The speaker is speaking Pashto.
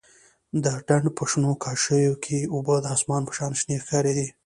د ډنډ په شنو کاشيو کښې اوبه د اسمان په شان شنې ښکارېدې.